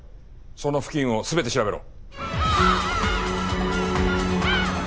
その付近を全て調べろ。